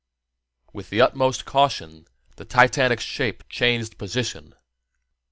With the utmost caution the titanic shape changed position.